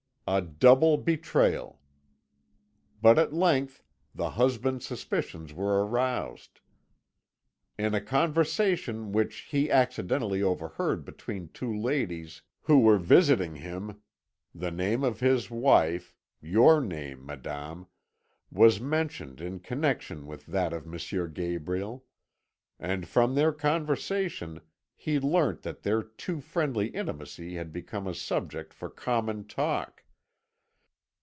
A double betrayal! But at length the husband's suspicions were aroused. In a conversation which he accidentally overheard between two ladies who were visiting him the name of his wife your name, madame was mentioned in connection with that of M. Gabriel; and from their conversation he learnt that their too friendly intimacy had become a subject for common talk.